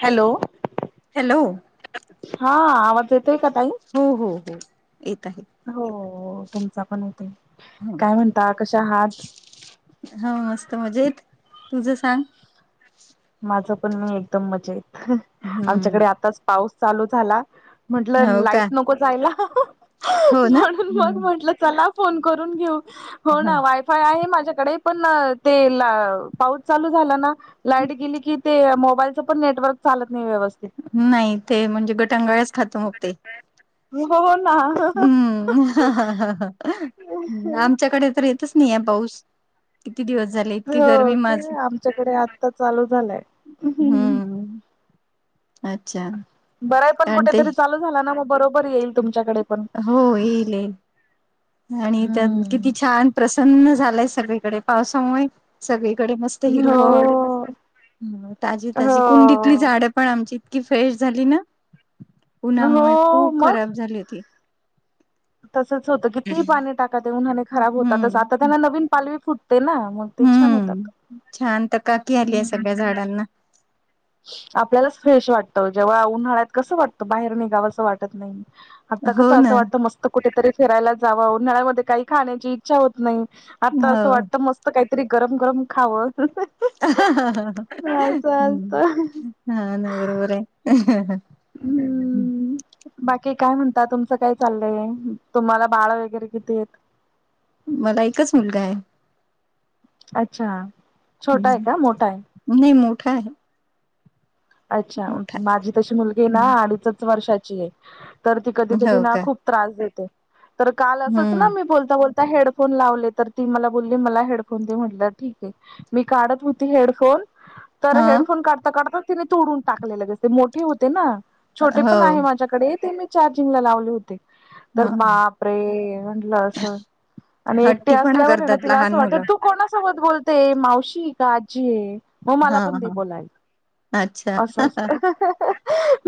Hello hello हा आवाज येतोय का ताई? हो हो हो येत आहे. हो तुमचा पण होता काय म्हणता कशा आहात? हो मस्त मजेत, तुझं सांग? माझ पण मी एकदम मजाेत आमच्याकडे हम्म आताच पाऊस चालू झाला. म्हंटलं हो का लाईट नको जायला हो ना म्हणून मग म्हंटलं चला फोन करून घेऊ हो ना वा माझ्याकडे पण पाऊस चालू झाला ना ते मोबाईलचं पण नेटवर्क चालत नाही व्यवस्थ नाही ते म्हणजे गटांगाळ्याच खात होते. हो ना हम्म् आमच्याकडे तर येतच नाही आहे पाऊस. किती दिवस झाले इतकी हो गरमी माझ काय आमच्याकडे आत्ता चालू झालाय. हम्म अच्छा बरंय पण कारण ते कुठेतरी चालू झाला ना मग बरोबर येईल तुमच्याकडे पण. हो येईल येईल आणि त्या किती हो छान प्रसन्न झालाय सगळीकडे पावसामुळे सगळीकडे मस्त हिरवळ ताजी -ताजी कुंडीतली हो. झाडं पण आमची इतकी फ्रेश झाली ना उन्हामुळे हो खूप खराब झाली होती. तसंच होतं कितीही पाणी टाका उन्हाने खराब होतातस आता हम्म त्यांना नवीन पालवी फुटते ना ते छान होतात. हम्म छान तर चकाकी आली आहे सगळ्या झाडांना. ह [unintelligible] आपल्यालाच फ्रेश वाटतं जेव्हा उन्हाळ्यात कसं वाटतं बाहेर निघावं असं वाटत नाही. आता हो कसं असं ना वाटतं मस्त कुठेतरी फिरायला जावं उन्हाळ्यामध्ये काही खाण्याची इच्छा होत नाही. आता हो असं वाटतं मस्त काहीतरी गरम गरम खावं ह् असत हा ना बरोबर आहे. हम्म बाकी काय म्हणत तुमचं काय चाललंय तुम्हाला बाळ वगैरे किती? मला एकच मुलगा आहे. अच्छा. छोटा आहे का मोठा आहे हम् नाही मोठा आहे. अच्छा मोठा आहे माझी तशी मुलगी आहे ना हम्म, अडीचच वर्षाची आहे तर ती कधी कधी हो ना का खूप त्रास देते तर काल असंच ना हम्म मी बोलता बोल. ता हेडफोन लावले तर ती मला बोलली मला हेडफोन दे म्हटलं ठीक आहे. मी काढत होती हेडफोन ह तर हेडफोन काढता काढता तिने तोडून टाकले दिसते मोठे होते ना छोटे हो पण आहे माझ्याक डे ते मी चार्जिंगला लावले होते तर ह बाप रे म्हटलं अस. आणि एकटे हट्टीपणा असल्यावर ना करतात तिला असं लहान मुलं वाटत तू कोणासोबत बोलतेय मावशी का आजी आहे मग मला हा पण ते हा बोलाय. अच्छा असं असत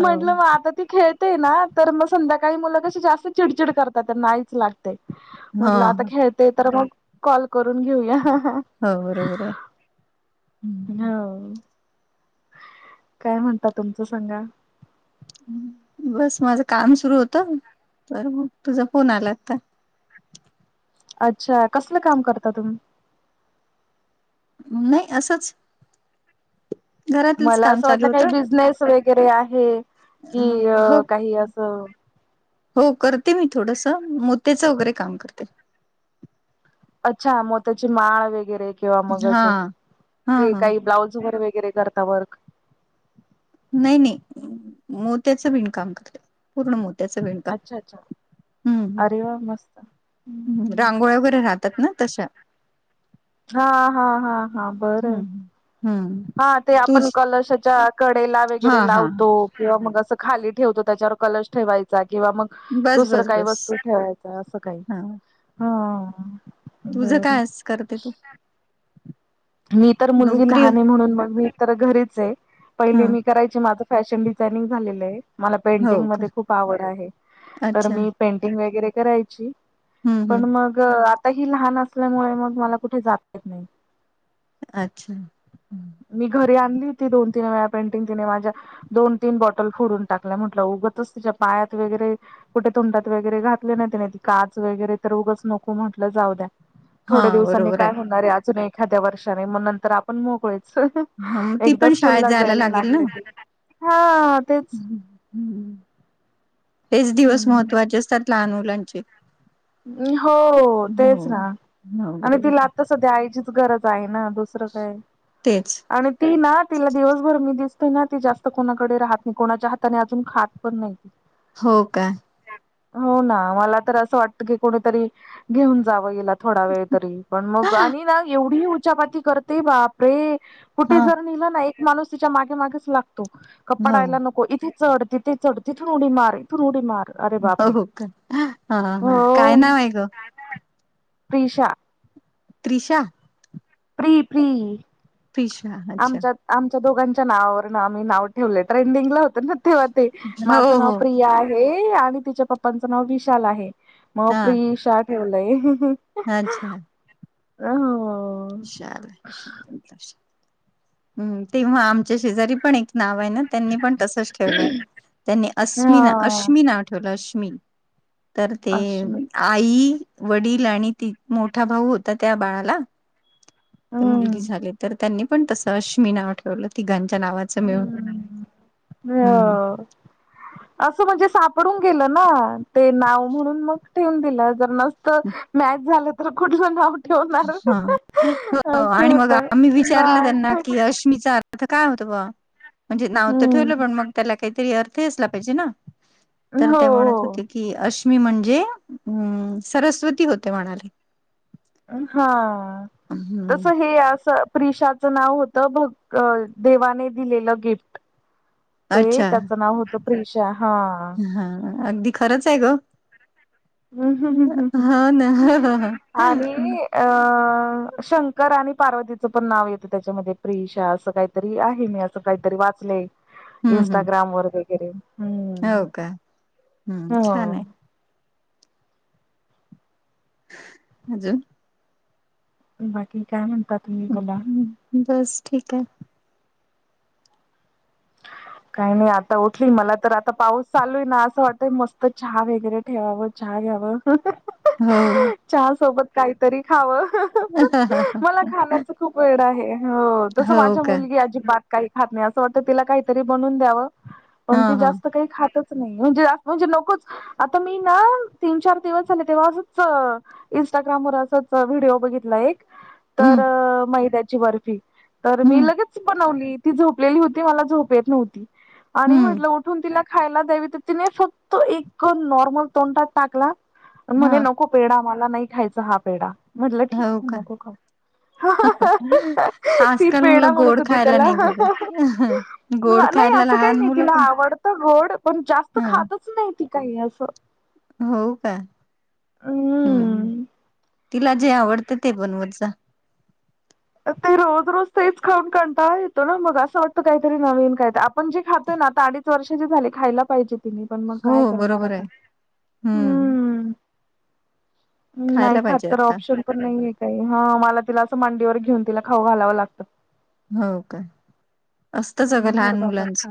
हो मग आता ती खेळ. ते ना तर मग संध्याकाळी मुलं कशी जास्त चिडचिड करतात नाहीच लागत. हा म्हटलं आता खेळते तर मग कॉल करून घेऊया. होररे. होा. काय म्हणतात तुमचं सांगा. बस माझं काम सुरु होतं तर मग तुझा फोन आला आता अच्छा कसलं काम करता तुम्ही नाही असंच. घरातलंच मला काम असं चालू वाटलं काही होतं बिझनेस वगैरे आहे अ कि हो काही असं. हो करते मी थोडसं मोते्याचं वगैरे काम करते. अच्छा मग त्याची माळ वगैरे किंवा मग हा असं हा हा काही ब्लाउज वर वगैरे करत. तवरक नाही नाही मोत्याचं विणकाम करते पूर्ण मोत्याच विणकाम अच्छा अच्छा हम्म. वा मस्त. ह रांगोळ वगैरे राहतात ना तशा हा हा हा हा बरं आहे. हम्म हम्म. हा ते आपण तूच कलशाच्या कडेला हा वगैरे हा लावतो. किंवा मग असं खाली ठेवतो त्याच्यावर कलश ठेवायचा किंवा मग बस दुसरं बस काही बस वस्तू ठेवायचं असं काही हा ह. तुझं काय करते तू मी तर मुलगी नोकरी लहान आहे म्हणून मग मी तर घरीच आहे हा पहिले मी करायची माझं. फॅशन डिझायनिंग झालेलं आहे मला हो पेंटिंग का मध्ये खूप आवड आहे तर अच्छा मी पेंटिंग वगैरे करायची हम्म हम्म पण मग आता ही लहान असल्यामुळे मग मला कुठे जातेत नाही. अच्छा. मी घरी आणली होती दोन तीन वेळा पेंटिंग तिने माझ्या दोन तीन बॉटल फोडून टाकल्या म्हटलं उगतच त्याच्या पायात वगैरे कुठे तोंडात वगैरे घातले ना त्यािने त काच वगैरे तर रगच नको म्हटलं जाऊ द्या. हा थोड्या दिवसांनी बरोबर काय होणार आहे अजून एखाद्या वर्षाने मग नंतर आपण मोगळे हां, मग ती एकदा पण स्कूल शाळेत ला जायला लागलं क हा. तेच हम्. तेच दिवस हम्म महत्त्वाचे असतात लहान मुलांचे हो तेच ना हो आणि बरोबर तिला आहे आत्ता सध्या आईचीच गरज आहे ना दुसरी? दसरं काय? तेच आणि ती ना तिला दिवसभर मी दिसतय ना ती जास्त कोणाकडे राहत नाही कोणाच्या हाताने अजून खात पण नाही. हो का हो ना मला तर असं वाटत की कोणीतरी घेऊन जावं येल थोडा वेळ तरी पण मग हा आणि ना एवढी उचापाती करते बाप रे कुठे जर निहिलं ना एक माणूस तिच्या मागे मागेच लागतो हो कपपाडायला नको इथे चढ त ते तडती ठनूडी मारारी नूडी मार अर बापरे हो हा हा काय नाव आहे ग प्रिषा त्रिशा प्रि प्रि फिशा अच्छा आमच्या आमच्या दोघांच्या नावावर आम्ही नाव ठेवले ट्रेंडिंगला होत ना ठेवते हो माझं नाव हो प्रिया आहे आणि तिच्या पप्पांचं नाव विशाल आहे मग हा प्रिशा ठेवलाय अच्छा अ इशा हम तेव्हा आमच्या शेजारी पण एक नाव आहे ना त्यांनी पण तसच ठेवलं त्यांनी असश्म हा अश्मी नाव ठेवलं अश्मी तर ते अश्मी आई वडील आणि त मोठा भाऊ होता त्या बाळाला मुलगी हम्म झाले तर त्यांनी पण तसं अश्मी नाव ठेवलं तिघांच्या नावात हम् ह असं म्हणजे सापडून गेलं ना ते नाव म्हणून मग ठेवून दिलं जर न मॅच झालं तर कुठ ठेवणार हा असं आणि मग होत ना आता काय होतं ब म्हणजे नाव तर हम्म ठेवलं पण मग त्याला काहीतरी अर्थ असला पाहिजे ना तर हो ते म्हणत होते की अश्मी म्हणजे अम् सरस्वती होते म्हणाले हा हम्म तस हे असं प्रिशाचं नाव होतं भक् देवाने दिलेलं गिफ्ट ते अच्छा त्याचं नाव होतं प्रिषा हा हा अगदी खरंच आहे ग ह् हम् ह् ह् हो ना आणि हम्म अ शंकर आणि पार्वतीचं पण नाव येतं त्याच्यामध्ये प्रिषा असं काय री आहे मी असं काहीतरी वाचलंय हम्म इं्स्टाग्राम वर वगैरे हम्म हो का हम्म छान हो आहे हजून बाकी काय म्हणता तुम्ही बला हं, बस ठीक आहे काही नाही आता उठली मला तर आता पाऊस चालू आहे ना असं वाटतय मस्त चहा वगैरे केवव चहा कव हो चहा सोबत काहीतरी खावं ह हा ह ह खाण्या खूप वेळ आहे तस हो माझ्या का मुलगी अजिबात काही खात नाही अस वाटत तर तिला काहीतरी बनून द्यावं हा पण ती हा जास्त काही खातच नाही म्हणजे जा म्हणजे नकोच आता मी ना तीन चार दिवस झाले तेव्हा असंच इन्स्टाग्रामवरर असंच व्हिडिओ बघितला एक तर हम्म मैद्याची बर्फी तर मी हम्म लगेच बनवली ती झोपलेली होती झो न्ह आणि हम्म म्हटून त खायला द्यावी तर तिने फक्त एक नॉर्मल तोंडात टाकला म्हणे हा न नको पेढा मला नाही खायचा हा पेढा म्हटलं ठीक हो का नको खाऊ ती आजकाल पेढा मुलं म्हणत गोड होती खायला नाही त्याला बघत गोड ह नाही खायला असं काही लहान नाही मुलं तिला पण आवडत गोड पण जास्त ह खात नाहीती काही असं हो का हम् हम्म. तिला जे आवडते ते बनवत जा ते रोज रोज तेच खाऊन कणता येतो ना मग असं वाटतं काहीतरी नवीन काय आपण जे खातोय ना आता अडीच चर्षाची झाली खायला पाहिजे ति पण मग हो काय करणार बरोबर आता आहे हम्म नाही खायला खात पाहिजे तर आता ऑप्शन पण नाहीे काही हा मला तिला असं मांडीवर घेऊन तिला खाऊ घालावं लागतं हो काय असतच अगं हम्म, धर लहान बाबा मुलांच खा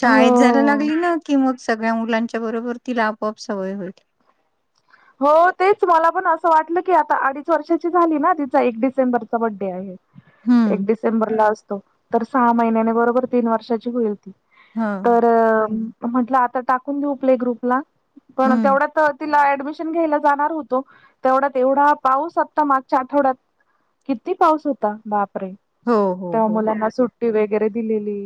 शाळेत जायला हो लागली ना कि मग सगळ्या मुलांच्या बरोबर तिला आपआप सवय होईल हो तेच मला पण असं वाटलं की आता अडीच वर्षाची झाली ना तिचा एक डिसेंबरचा बड्डे आहे एक हं, डिसेंबरला असतो तर सहा महिन्याने बरोबर तीन वर्षाची होईल हां, तर म्हंटलं आता टाकून घेऊ आप्ले ग्रुपला पण हं. तेवढ्यात तिला ऍडमिशन घ जाणार होत तेवढ्या तेवढा पाऊस आता मागच्या आठवड्यात किती पाऊस होता बापरे हो, हो, तेव्हा हो. मुलांना सुट्टी वगैरे दिलेली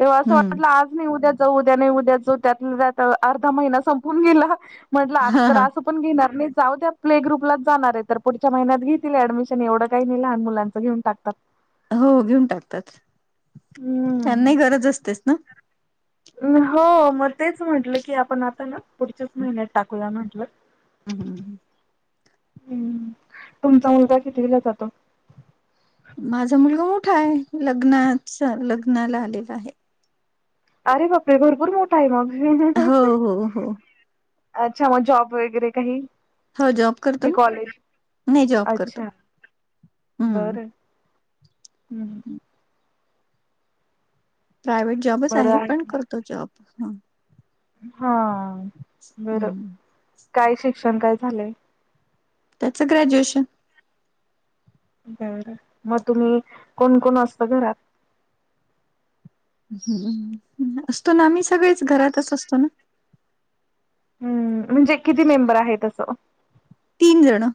तेव्हा असं हं. वाटलं आज नाही उद्या जाऊ उद्या नाही उद्या जाऊ त्यात त्या अर्धा महिना संपून गेला म्हट हां, हां. आता ण घेणार नाही जाऊ त्या प्ले ग्रुपलाच जाणार आहे तर पुढच्या महिन्यात घेतील डमिशन एवढं का नाही लहान मुलां घेन टाकतात हो घेऊन टाकतात हम्म त्यांनाही गरज असतेच ना हो मग तेच म्हटलं की आपण आता ना पुढच्याच महिन्यात टाकूला म्हंटलं हम हमम हम्म तुमचा मुलगा किती दिला जातो माझा मुलगा मोठा आहे लग्नाच लग्नाला आलेला आहे अरे बापरे भरपूर मोठा आहे मग हो, हो, हो. अच्छा मग जॉब वगैरे काही हो, जॉब करतो ना. कॉलेज नाही जॉब करतो. अच्छा हं. बर हम् प्रायव्हेट जॉबच आहे पण करतो जॉब ह हा बर हं. काय शिक्षण काय झालंय त्याचं ग्रॅज्युएशन बर मग तुम्ही कोण कोण असता घरात ह् असतो ना आम्ही सगळेच घरातच असतो ना हम्म म्हणजे किती मेंबर आहे तसं तीन जण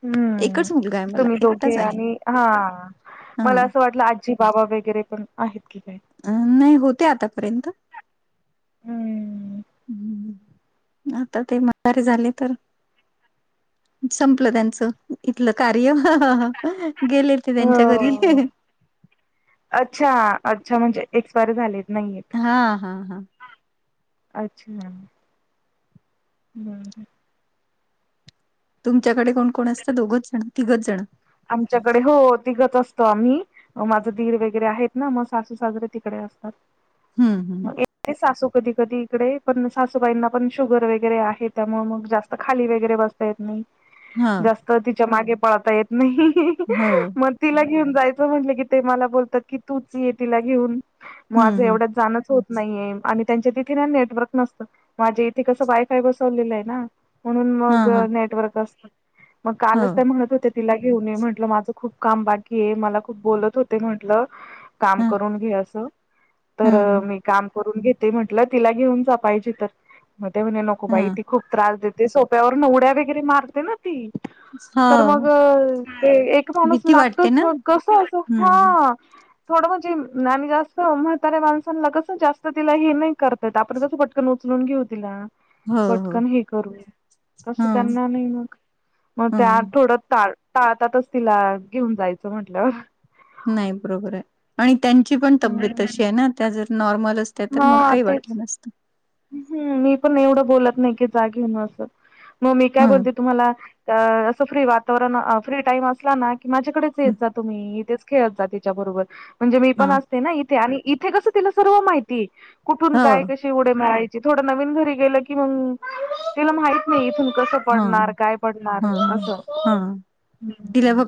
हम्म एकच मुलगा आहे मला. तुम्ही दोघे एकटाच आहे. आणि हा मला हां. असं वाटलं आजी बाबा वगैरे पण आहेत की काय अं नाही होते आतापर्यंत हम्म. आता ते मरे झाले तर संपलं त्यांचं इथलं कार्य गेले ते त्यांच्या घरी हो. अच्छा अच्छा म्हणजे एक्सपायर झालेत नाहीेत हा हा हा. अच्छा बर तुमच्याकडे कोण कोण असत दोघच जण तिघच जण आमच्याकडे हो तिघत असतो आम्ही माझं ीर वगरे आहेत ना मग सासू सागरे तिकडे असतात हम्म, हम्म. ते सासू कधी -कधी इकडे. पण सासूबाईंना पण शुगर वगैरे आहे. त्यामुळे, मग जास्त खाली वगैरे बस ता येत नाही. हा जास्त तिच्या मागे पळता येत नाही. [unintelligible] हो. मग तिला घेऊन जायचं म्हटलं कि, ते मला बोलतात की, तूच ये तिला घेऊन. माझं हम्म हम्म एवढंच जाणच होत नाहीये. आणि त्यांच्या तिथे ना, नेटवर्क नसतं. माझे इथे कसं वाय- फाय बसवलेलंय ना. म्हणून हा मग हा नेटवर्क असत. मग हो कालच त्या म्हणत हो तिला घेऊन ये. म्हंटलं, माझं खूप काम बाकीय. मला खूप बोलत होत ते म्हटलं. काम ह करून घे, असं. तर हम्म मी काम करून घेते. म्हटलं, तिला घेऊन जा पाहिजे तर. म ते म्हणे, नको बाई हम्म ती खूप त्रास देत ते सोप्यावर न उड्या वगैरे मारते ना. हं. अ, ते एक माणूस लागतच ना मग. कस असं. हम्म हा. थोडं म्हणजे, ना जास्त म्हाताऱ्या माणसांना कसं, जास्त तिला हे नाही करता येत. आपण कसं पट कण उचलून घेऊ तीला. हो हो पटकन हे करूया. तस हम्म त्यांना नाही मग. मग त्या हम्म थोड टाळ, टाळतातच तिला. घेऊन जायचं म्हंटल्यावर. नाही, बरोबरय. आणि त्यांची पण तब्येत तशी हम्म आहे ना. त्या जर नॉर्मल अस ते तर मग हा काही तेच वाटलं नसत. हम्म. मी पण एवढं बोलत नाही की, जा घेऊन असं. मग मी काय हम्म बोलते तुम्हाला अ असं फ्री वातावरण, फ्री टाइम असला ना की, माझ्याकडेच येत जा तुम्ही. इथेच खेळत जा तिच्या बरोबर. म्हणजे मी हा पण असते ना, इथे. आणि इथे कसं तिला सर्व माहितीय. कुठून हो काय कशी उडी मारा. थोडं नवीन घरी गेलं की, मग तिला माहित नाही. इथून कसं हा पडणार? काय पडणार? हा असं.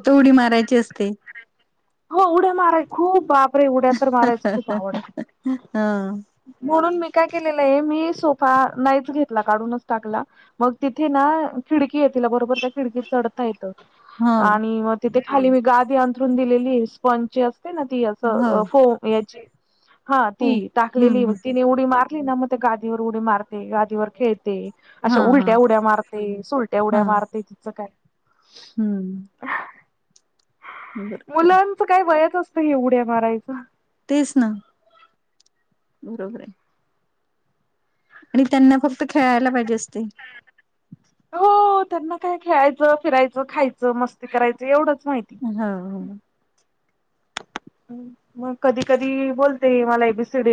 त उडी मारायची असते. हो उड्या माराय खूप, बापरे! उड्या तर ह मारायचं खूप आवडत. म्हणून मी काय केलेलंय. मी सोफा नाहीच घेतला, काढूनच टाकला. मग तिथे ना, खिडकीये, तीला बरोबर त्या खिडकीत चढ येतं. ह हो आणि मग तिथे खाली मी गादी अंथरून दिलेलीय. स्पंज अस ती अस हो फोम याची. हा ती, हम्म टाकलेली हम्म तिने ऊडी मार ली ना, मग ते गादीवर उडी मारते. गादीवर खेळत ते. हा अशा हा उलट्या उड्या मारते. सुलट्या हा उड्या मारते. तिचं काय. हम्म. बरोबर आहे मुलांच काय, वयच असतं हे, उड्या मारायचं. तेच ना. बरोबरय. आणि त्यांना फक्त, खेळायला पाहिजे असते. हो, त्यांना काय, खेळायचं, फिरायचं, खायचं, मस्ती करायचं, एवढंच माहि हो हो [unintelligible] [inaudible] मग कधी- कधी बोलते, मला एबीसीडी